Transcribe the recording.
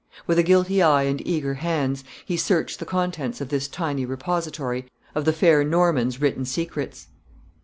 With a guilty eye and eager hands, he searched the contents of this tiny repository of the fair Norman's written secrets.